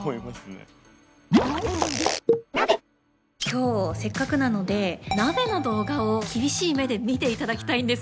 今日せっかくなので「ＮＡＢＥ」の動画を厳しい目で見ていただきたいんですけれども。